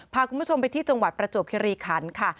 พาคุณผู้ชมไปที่จังหวัดประจวบคิริคันค่ะ